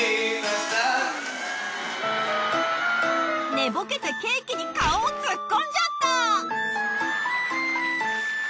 寝ぼけてケーキに顔を突っ込んじゃった！